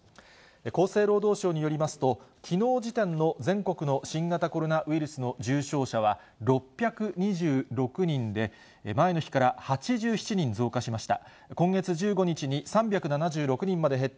厚生労働省によりますと、きのう時点の全国の新型コロナウイルスの重症者は６２６人で、前の日から８７人増加しました。